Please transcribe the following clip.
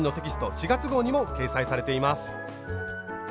４月号にも掲載されています。